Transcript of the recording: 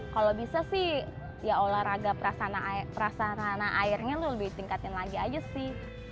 kalau bisa sih ya olahraga prasarana airnya lebih ditingkatin lagi aja sih